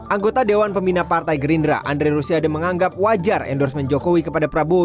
anggota dewan pembina partai gerindra andre rusiade menganggap wajar endorsement jokowi kepada prabowo